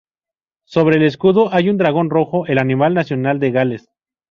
Sobre el escudo hay un dragón rojo, el animal nacional de Gales.